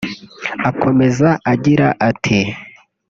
Akomeza agira ati